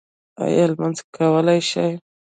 ایا لمونځ کولی شئ؟